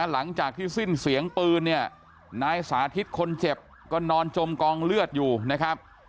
หลังจากที่สิ้นเสียงปืนเนี่ยนายสาธิตคนเจ็บก็นอนจมกองเลือดอยู่นะครับ